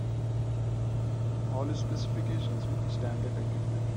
All specifications with standard equipment.